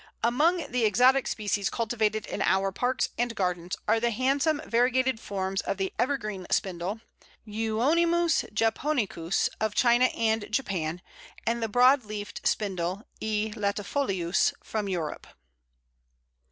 Among the exotic species cultivated in our parks and gardens are the handsome variegated forms of the Evergreen Spindle (Euonymus japonicus) of China and Japan, and the Broad leaved Spindle (E. latifolius) from Europe.